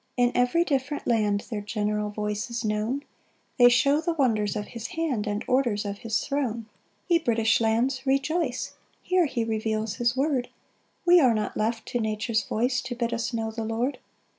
3 In every different land Their general voice is known They shew the wonders of his hand, And orders of his throne. 4 Ye British lands, rejoice, Here he reveals his word, We are not left to nature's voice To bid us know the Lord.